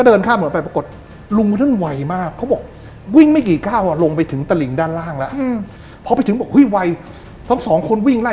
ด้านล่างแล้วอืมพอไปถึงบอกอุ้ยไวพร้อมสองคนวิ่งไล่